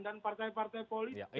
dan partai partai politik